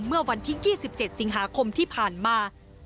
เมื่อวันที่๒๗สิงหาคมที่ผ่านมา